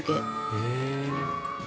へえ。